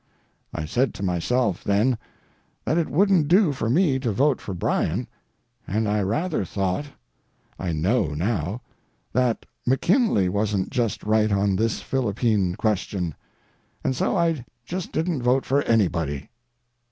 I said to myself, then, that it wouldn't do for me to vote for Bryan, and I rather thought—I know now—that McKinley wasn't just right on this Philippine question, and so I just didn't vote for anybody.